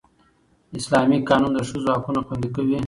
اسلامي قانون د ښځو حقونه خوندي کوي